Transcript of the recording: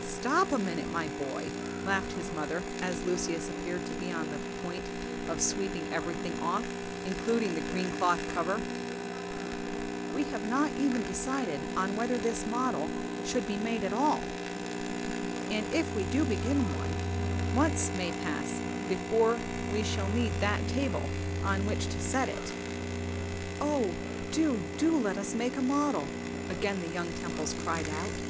"Stop a minute, my boy!" laughed his mother, as Lucius appeared to be on the point of sweeping everything off, including the green cloth cover; "we have not even decided on whether this model should be made at all; and if we do begin one, months may pass before we shall need that table on which to set it up." "O, do, do let us make a model!" again the young Temples cried out.